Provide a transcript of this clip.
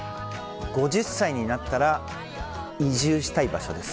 ５０歳になったら移住したい場所です。